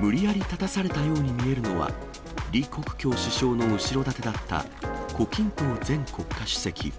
無理やり立たされたように見えるのは、李克強首相の後ろ盾だった、胡錦濤前国家主席。